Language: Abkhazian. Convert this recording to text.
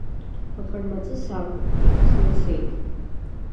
Аҟармаҵыс акәын, иқәҵны ицеит.